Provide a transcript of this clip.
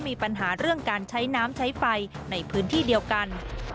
มีปัญหาเรื่องการใช้น้ำใช้ไฟในพื้นที่เดียวกัน